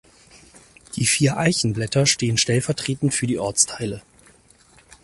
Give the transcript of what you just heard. Die vier Eichenblätter stehen stellvertretend für die Ortsteile.